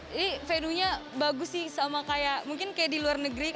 ini venue nya bagus sih sama kayak mungkin kayak di luar negeri